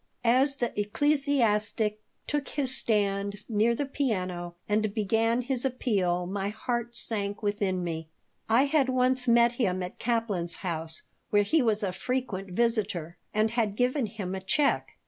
As the ecclesiastic took his stand near the piano and began his appeal my heart sank within me. I had once met him at Kaplan's house, where he was a frequent visitor, and had given him a check.